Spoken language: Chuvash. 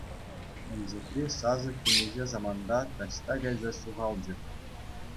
Инҫетри сасӑ темиҫе саманта таҫта кайса ҫухалчӗ.